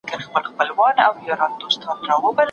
مطالعه په تنهایۍ کې تر ټولو ښه ملګری دی.